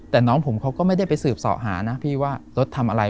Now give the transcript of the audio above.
แต่น้องผมเขาก็ไม่ได้ไปสืบสอบหานะพี่ว่ารถทำอะไร